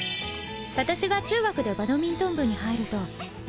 私が中学でバドミントン部に入るとあ！